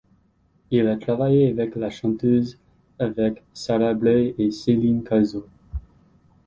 Il a travaillé avec la chanteuse avec Sarah Bray et Céline Carzo.